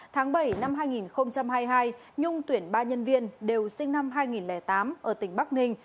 tháng bảy năm hai nghìn hai mươi hai nhung tuyển ba nhân viên đều sinh năm hai nghìn tám ở tỉnh bắc ninh